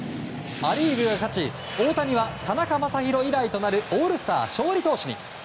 ア・リーグが勝ち大谷は田中将大以来となるオールスター勝利投手に。